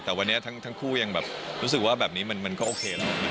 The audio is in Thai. แต่วันนี้ทั้งคู่ยังแบบรู้สึกว่าแบบนี้มันก็โอเคแล้ว